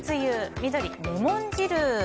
緑、レモン汁。